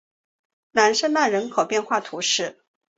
朗瑟奈人口变化图示